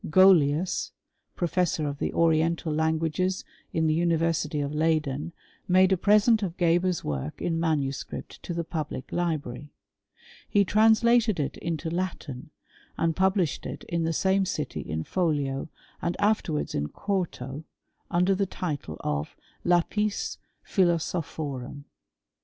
Golius, professor of the oriental languages in the University of Leyden, made a present of Geber's work in manuscript to the public library. He translated it into Latin, and published it in the same city in folio^ and afterwards in quarto, under the title of *^ Lapis Philosophorum."